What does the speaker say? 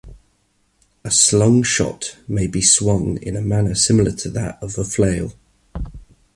A slungshot may be swung in a manner similar to that of a flail.